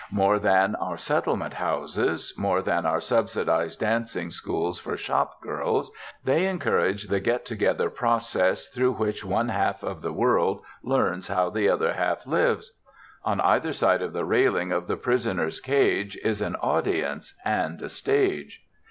More than our settlement houses, more than our subsidized dancing schools for shopgirls, they encourage the get together process through which one half the world learns how the other half lives. On either side of the railing of the prisoners' cage is an audience and a stage.